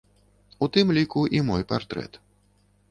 У тым ліку і мой партрэт.